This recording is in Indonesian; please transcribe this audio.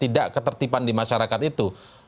tidak ketertiban di masyarakat itu